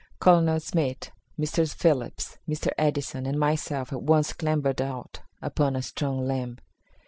Colonel Smith, Mr. Phillips, Mr. Edison and myself at once clambered out upon a strong limb.